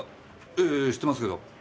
ええ知ってますけど。